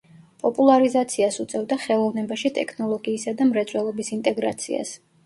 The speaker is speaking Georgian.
პოპულარიზაციას უწევდა ხელოვნებაში ტექნოლოგიისა და მრეწველობის ინტეგრაციას.